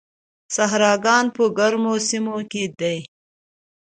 صحراګان په ګرمو سیمو کې دي.